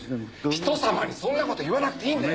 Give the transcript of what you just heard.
人様にそんなこと言わなくていいんだよ。